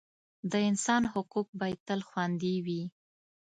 د انسان حقوق باید تل خوندي وي.